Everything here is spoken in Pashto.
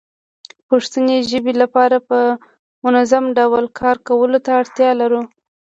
پښتو ژبې لپاره په منظمه ډول کار کولو ته اړتيا لرو